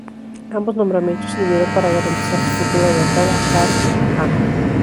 Ambos nombramientos sirvieron para garantizar su futura lealtad a Shah Jahan.